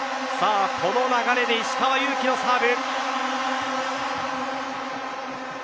この流れで石川祐希のサーブ。